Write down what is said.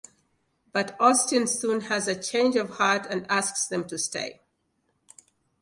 But Austin soon has a change of heart and asks them to stay.